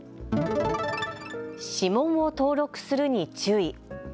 指紋を登録するに注意。